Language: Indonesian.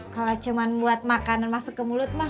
kalau cuma buat makanan masuk ke mulut mah